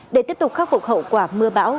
để tiếp tục khắc phục hậu quả mưa bão